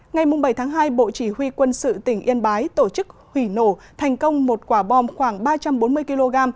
ngày bảy tháng hai bộ chỉ huy quân sự tỉnh yên bái tổ chức hủy nổ thành công một quả bom khoảng ba trăm bốn mươi kg